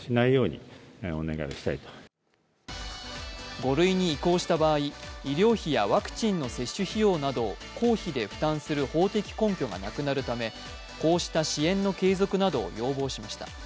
５類に移行した場合、医療費やワクチンの接種費用など公費で負担する法的根拠がなくなるためこうした支援の継続などを要望しました。